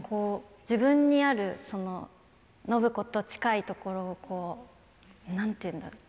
自分にある暢子と近いところを何て言うんだろう？